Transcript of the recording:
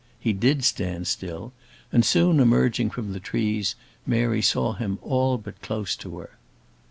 He did stand still, and soon emerging from the trees, Mary saw him all but close to her.